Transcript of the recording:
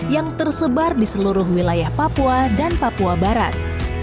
yang tersebar di seluruh wilayah papua dan papua barat